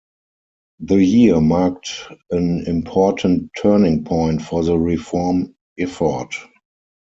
The year marked an important turning point for the reform effort.